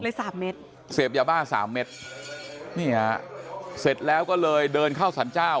สามเม็ดเสพยาบ้าสามเม็ดนี่ฮะเสร็จแล้วก็เลยเดินเข้าสรรเจ้า